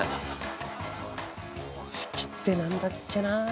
「しき」って何だっけなあ。